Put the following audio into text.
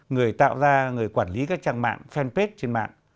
người tạo ra người quản lý các trang mạng fanpage trên mạng